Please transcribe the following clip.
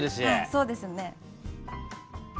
はいそうですね。